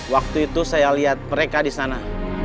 waktu itu saya lihat mereka disana